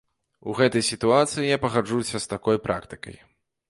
У гэтай сітуацыі я пагаджуся з такой практыкай.